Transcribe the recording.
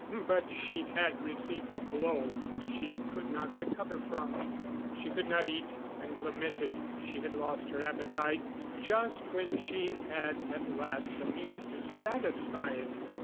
But she had received a blow she could not recover from. She could not eat and lamented she had lost her appetite just when she had at last the means to satisfy it.